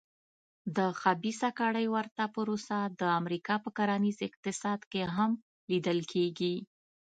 د خبیثه کړۍ ورته پروسه د امریکا په کرنیز اقتصاد کې هم لیدل کېږي.